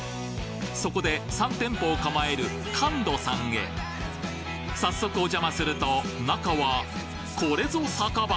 そこで３店舗を構える「かんろ」さんへ早速お邪魔すると中はこれぞ酒場！